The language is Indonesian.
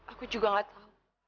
aku juga gak tahu